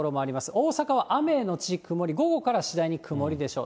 大阪は雨後曇り、午後からは次第に曇りでしょう。